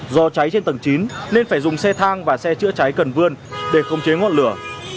do cháy trên tầng chín nên phải dùng xe thang và xe chữa cháy cần vươn để không chế ngọn lửa